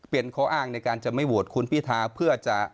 เป็นข้ออ้างในการจะไม่โหวตคุณพิทาเพื่อจะ